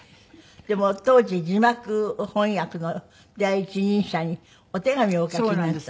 でも当時字幕翻訳の第一人者にお手紙をお書きになった。